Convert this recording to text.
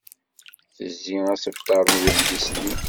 Tezzi asebter n wedlis-nni.